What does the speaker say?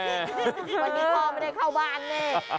พ่อไม่ได้เข้าบ้านน่ะ